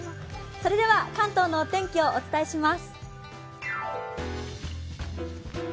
それでは、関東のお天気をお伝えします。